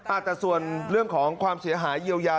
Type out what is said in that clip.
อาจจะส่วนเรื่องของความเสียหายเยียวยา